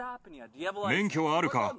免許はあるか？